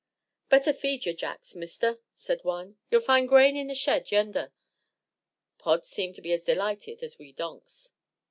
"Better feed yer jacks, Mister," said one; "ye'll find grain in th' shed yender." Pod seemed to be as delighted as we donks.